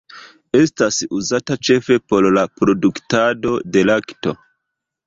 Estas uzata ĉefe por la produktado de lakto.